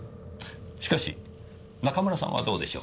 しかし中村さんはどうでしょう？